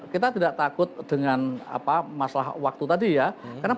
kita tidak takut dengan masalah waktu tadi ya